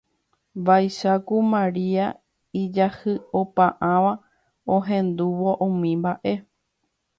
Vaicháku Maria ijahy'opa'ãva ohendúvo umi mba'e